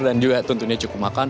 dan juga tentunya cukup makan